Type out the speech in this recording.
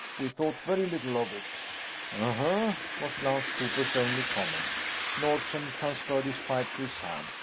We thought very little of it." "Uh huh," was Lance Cooper's only comment. Nordsen transferred his pipe to his hand.